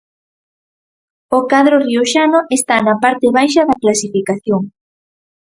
O cadro rioxano está na parte baixa da clasificación.